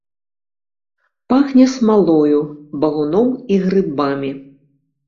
Пахне смалою, багуном і грыбамі.